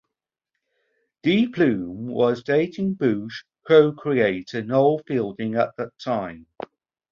Dee Plume was dating Boosh co-creator Noel Fielding at that time.